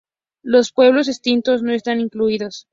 Los pueblos extintos no están incluidos.